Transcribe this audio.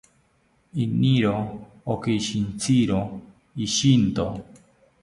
Iniro okishitziro ishinto